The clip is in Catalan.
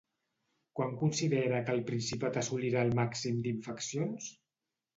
Quan considera que el Principat assolirà el màxim d'infeccions?